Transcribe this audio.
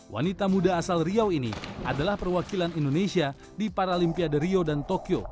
wanita muda asal riau ini adalah perwakilan indonesia di paralimpiade rio dan tokyo